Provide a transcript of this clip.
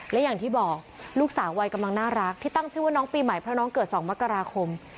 และอย่างที่บอกลูกสาววัยกำลังน่ารักที่ตั้งชื่อว่าน้องปีใหม่เพราะน้องเกิด๒มกราคม